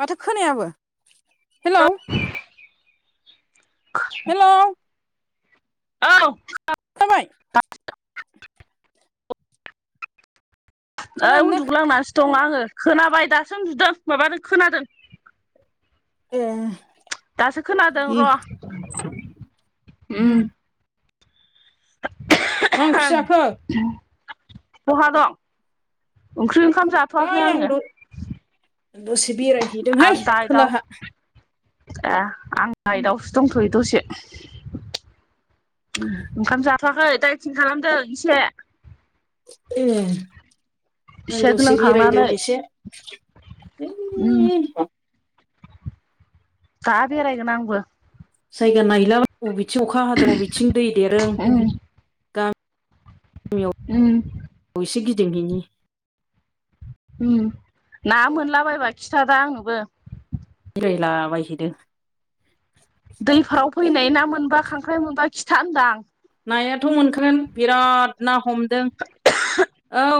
माथो खोनायाबो hello hello औ खोनादों खोनाबाय ओइ खोनादोंना उन्दुगलांनानैसो दं आङो खोनाबाय दासो उन्दुदों माबादों खोनादों ए दासो खोनादों र' ओ उम मा ओंख्रि जाखो बहा दं ओंख्रि ओंखाम जाथ'वाखै हैइ आं आङो द दसे आं बेरायहैदोंहाय दा इदाव खोलाहा ए आं आइ नावसो दंथ'यो दसे उम ओंखाम जाथ'वाखै दाय थिं खालामदों एसे ए आं एसे दसे बेरायदों लोंखांनानै एसे है उम दा बेरायगोन आंबो जायगा नायला बबेथिं अखा हादों बबेथिं दै देरो उम गा- उम औ एसे गिदिंहैनि ना मोनलाबायबा खिथादा आंनोबो बिरायलाबायहैदों दैफ्राव फैनाय ना मोनबा खांख्राइ मोनबा खिथा होनदां नायाथ' मोनखागोन बिराद ना हमदों औ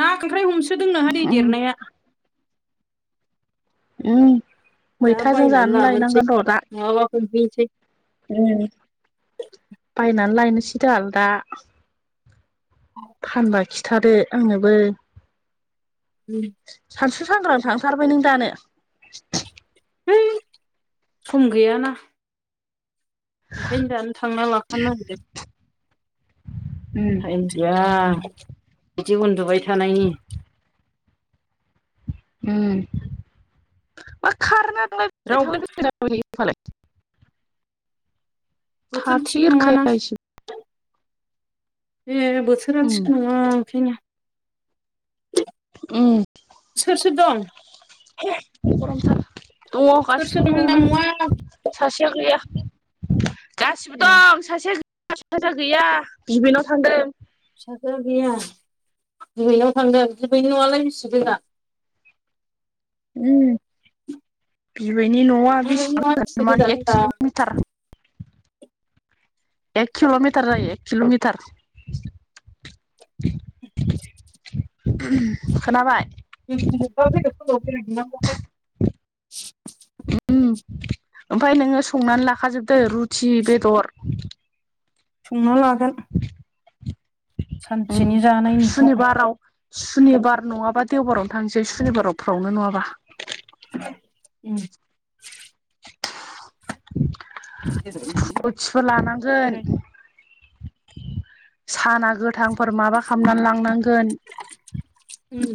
ना खांख्राय हमसोदोंनोहाय दै उम देरनाया मैथाजों जानो लायनांगोन र' दा दुगैसोय ओ बायनानै लायनोसैदा आल दा फानबा खिथादो आंनोबो उम सानसु सानग्रां थांथारबाय नों दानो है सम गैयाना ओंखायनो दानो थांना लाखानो नागिरदों उम जा बिदि उन्दुबाय थानायनि ओ मा खारेन्टानो रावबो थांलाय फैलाय बोथोर थिग नङाना थाथेरखाया इसो ए बोसोरा उम थिख नङा बेखायनो उम सोर सोर दं? दङ सोर सोर गासिबो दं होनदां नआवनो। न'आव सासेया गैया गासिबो ए दं सासेया साजा गैया बिबैनाव थांदों। फिसाजो गैया बिबैनाव थांदों। बिबैनि न आलाय बिसि गोजान? उम बिबैनि न'आ बिबैनि न'आ बेसे बेसेबां गोजान माने एक होनदां किल'मिटार एक किल'मिटार जायो एक किल'मिटार खोनाबाय? [unintelligible] उम ओमफ्राय नोङो संनानै लाखाजोबदो रुथि बेदर संना लागोन उम सानसेनि जानायनिखौ सुनिबाराव सुनिबार नङाबा देवबारावनो थांसै सुनिबाराव फ्रावनो नङाबा। उम फ्रुटसबो लानांगोन। बेराय साना गोथांफोर माबा खालामनानै लांनांगोन। उम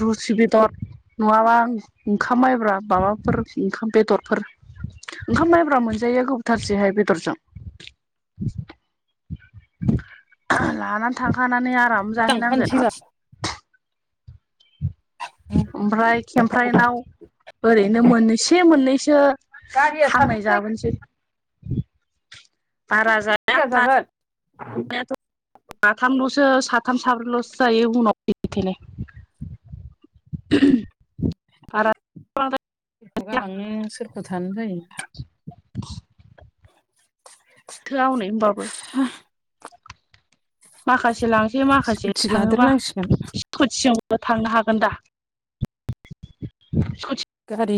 रुथि बेदर नङाबा ओंखाम माइब्रा माबाफोर ओंखाम बेदरफोर ओंखाम माइब्रा मोनजायैया गोबाव थारसैहाय बेदरजों। लानानै थांखानानै आराम लांखानोसै जाहैनांगोन। ओमफ्राय खेमफ्राइनाव ओरैनो मोननैसे मोननैसो गारिया हांनाय साबेसे जाबोनोसै बारा जा दिंखिया जागोन? नायाथ साथामल'सो साथाम साब्रैल'सो जायो उनाव थोनाय [inaudible] आरो सोरखौ गालांनो सोरखौ थानो जायो। थोया हनै होनबाबो माखासे लांसै माखासे स्कुटि थाङोबा लादेरनांसिगोन स्कुटिजोंबो थांनो हागोन दा गारि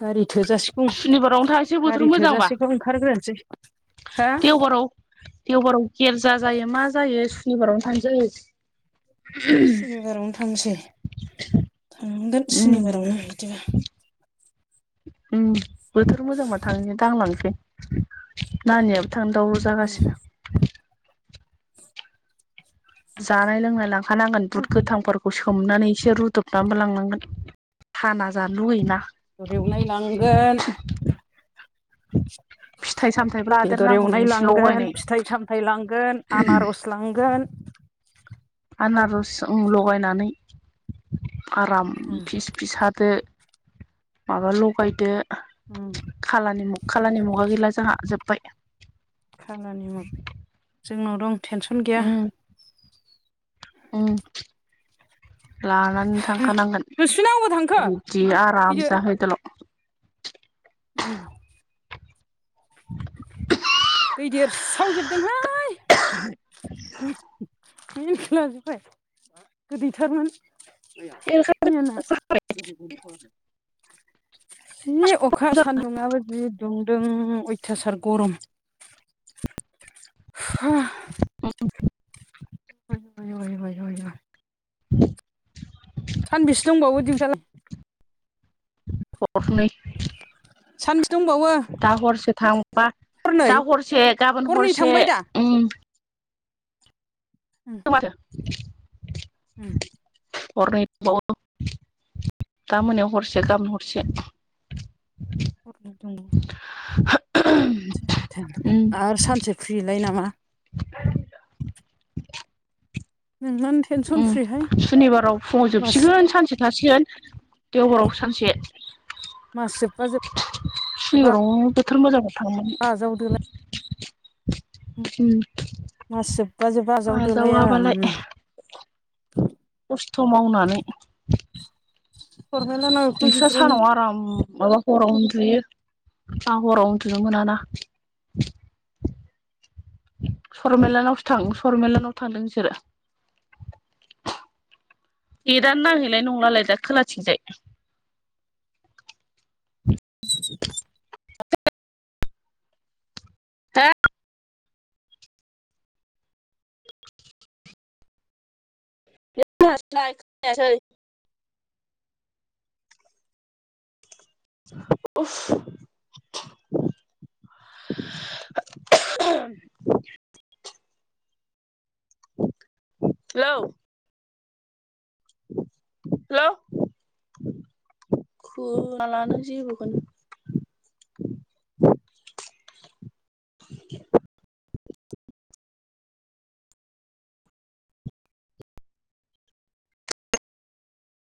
गारि थोजासिगौ सुनिबारावनो थांसै बोथोर गारि मोजांबा थोजासेखौ ओंखारग्रोसै हो देवबाराव देवबाराव गेरजा जायो मा जायो सुनिबारावनो थांसै। सुनिबारावनो थांसै थांगोन उम सुनिबारावनो बिदिबा उम बोथोर मोजांबा थांनो दांलांसै नानियाबो थांनो दाव राव जागासिनो। जानाय लोंनाय लांखानांगोन बुद गोथांफोर खौ सोमनानै एसे रुदबनानैबो लांनांगोन थाना जानो लुगैयोना। बुद एवनाय लांगोन फिथाइ सामथाइबो बेदर लादेरनांगौमोन एवनाय एसे लांगोन लगायनाय फिथाइ सामथाय लांगोन आनारस लांगोन आनारस लगायनानै आराम फिस फियास हादो माबा लगायदो ओम खाला निमुग खाला निमुगा गैला जोंहा जोबबाय। खाला निमग जोंनाव दं टेनसन गैया ओम लानानै थांखानांगोन दुसुना अबाव थांखो बिदि आराम फैदो जाहैदोल' ओम दै देरसोमजोबदोंहाय मनिखौ लाजोबबाय गोदैथारमोन मैयाना [unintelligible] बि [unintelligible] जि अखा सानदुङाबो जि दुंदों अयथासार गरम हा ओम [unintelligible] आय आय आय आय [unintelligible] सानबैसे दंबावो दिंथाला [unintelligible] हरनै [unintelligible] सानबेसे दंबावो दा हरसे थांबा दा हरनै हरसे गाबोन हरनै हरसे थांबाय दा ओम उम दं आरो उम हरनै दा मोनायाव हरसे गाबोन हरसे हरनो दङ [unintelligible] [inaudible] उम [inaudible] आरो सानसे फ्रिलाय नामा [inaudible] [unintelligible] फ्रिहाय उम सुनिबाराव फुङाव मास जोबसिगोन सानसे थासिगोन देव बाराव सानसे मास जोबबा जोब सनिबाराव बोथोर मोजां थारमोन [inaudible] मास जोबबा जोबबा [unintelligible] आजावदोलाय आजावाबालाय आरामनो [inaudible] खस्थ' मावनानै [unintelligible] नोंसाना सानाव आराम माबा हराव उन्दुयो आं हराव उन्दुनो मोना ना सरमेेलानावसो थां सरमेेलानाव थांदों बिसोरो नेदानो नांहैनाय नंलालाय दा खोलाथिंजाय दा म [unintelligible] खोनायासै उफस [inaudible] [inaudible] हेल' हेल' खोनालानो जेबोखोनो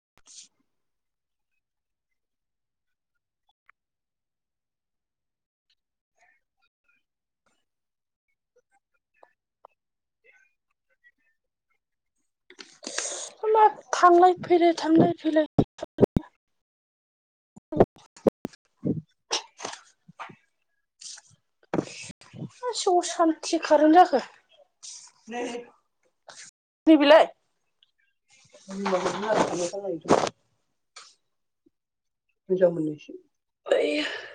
[inaudible] [unintelligible] होमबा थांलाय फैलाय थांलाय फैलाय [inaudible] मा एसे असान्थि खारेन जाखो नै बिलाय [unintelligible] मोजां मोननैसो आइआ [unintelligible]